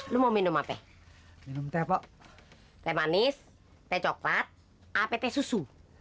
lu mau minum apa minum teh kok teh manis teh coklat apet susu